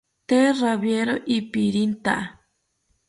Tee rawiero ipirintha